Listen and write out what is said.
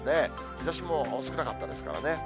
日ざしも少なかったですからね。